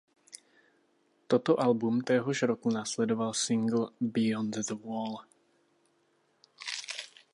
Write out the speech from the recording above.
Toto album téhož roku následoval singl Beyond The Wall.